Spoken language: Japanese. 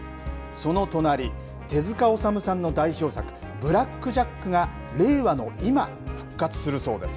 その隣、手塚治虫さんの代表作、ブラック・ジャックが令和の今、復活するそうです。